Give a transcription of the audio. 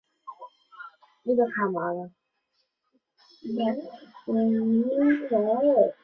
后岳被国民政府追授中华民国陆军上将军衔。